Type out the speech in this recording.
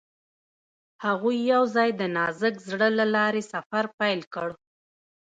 هغوی یوځای د نازک زړه له لارې سفر پیل کړ.